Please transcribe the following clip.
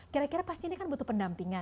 kira kira pasti ini kan butuh pendampingan